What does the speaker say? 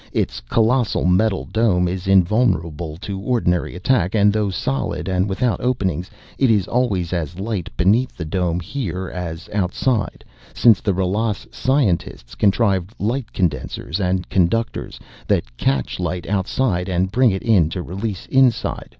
Its colossal metal dome is invulnerable to ordinary attack, and though solid and without openings it is always as light beneath the dome here as outside, since the Ralas' scientists contrived light condensers and conductors that catch light outside and bring it in to release inside.